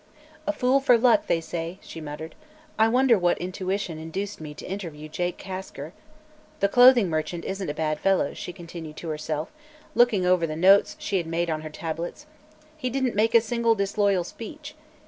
"A fool for luck, they say," she muttered. "I wonder what intuition induced me to interview Jake Kasker. The clothing merchant isn't a bad fellow," she continued to herself, looking over the notes she had made on her tablets. "He didn't make a single disloyal speech.